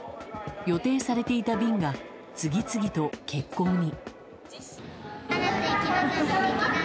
予定されていた便が次々と欠航に。